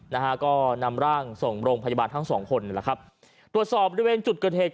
นะฮะก็นำร่างส่งโรงพยาบาลทั้งสองคนนี่แหละครับตรวจสอบบริเวณจุดเกิดเหตุ